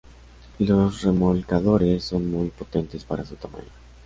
Los remolcadores son muy potentes para su tamaño.